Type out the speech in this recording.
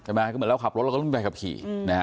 ใช่ไหมก็เหมือนเราขับรถเราก็ต้องไปขับขี่